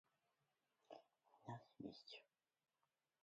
Offices are located in New York, California, Florida, Toronto, and China.